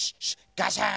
ガシャーン。